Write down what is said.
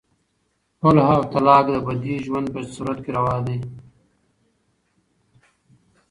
خلع او طلاق د بدې ژوند په صورت کې روا دي.